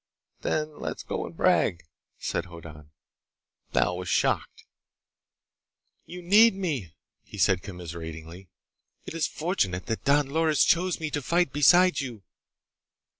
"Then let's go and brag," said Hoddan. Thal was shocked. "You need me," he said commiseratingly. "It is fortunate that Don Loris chose me to fight beside you!"